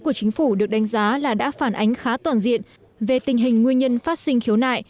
của chính phủ được đánh giá là đã phản ánh khá toàn diện về tình hình nguyên nhân phát sinh khiếu nại